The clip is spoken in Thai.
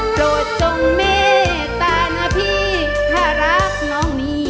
โปรดทรงแม่ตานะพี่ถ้ารักน้องนี่